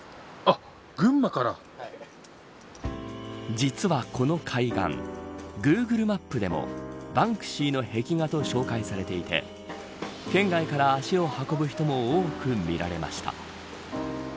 実は、この海岸Ｇｏｏｇｌｅマップでもヴァンクシーの壁画と紹介されていて、県外から足を運ぶ人も多く見られました。